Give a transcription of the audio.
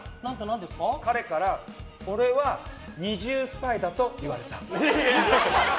彼から俺は二重スパイだと言われた。